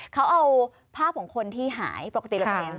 เขาเอาภาพของคนที่หายปกติแล้ว